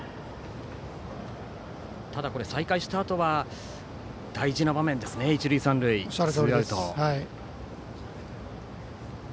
ただ、再開したあとは大事な場面ですね一塁三塁、ツーアウト。